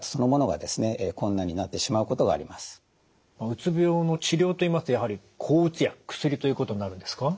うつ病の治療といいますとやはり抗うつ薬薬ということになるんですか？